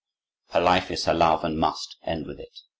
Her life is her love and must end with it.